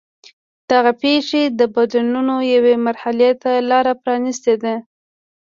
دغه پېښې د بدلونونو یوې مرحلې ته لار پرانېسته.